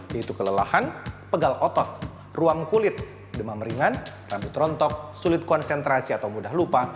yaitu kelelahan pegal otot ruang kulit demam ringan rambut rontok sulit konsentrasi atau mudah lupa